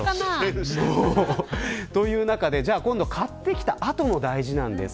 そういう中で、買ってきた後も大事なんです。